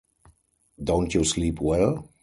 Don't you sleep well?